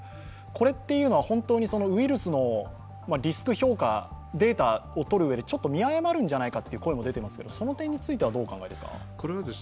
これは本当にウイルスのリスク評価、データをとる上でちょっと見誤るんじゃないかという話もありますがその点については、どうお考えですか。